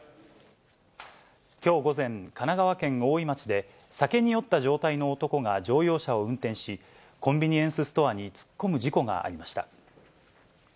きょう午前、神奈川県大井町で、酒に酔った状態の男が乗用車を運転し、コンビニエンスストアに突っ込む事故がありました。